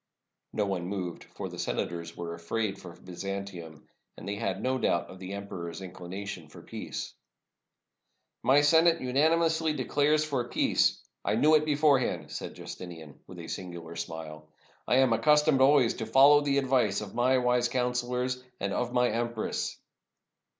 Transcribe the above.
No one moved, for the senators were afraid for Byzan tium, and they had no doubt of the emperor's inclina tion for peace. "My Senate unanimously declares for peace. I knew it beforehand," said Justinian, with a singular smile. "I am accustomed always to follow the advice of my wise counselors — and of my empress."